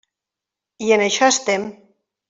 I en això estem.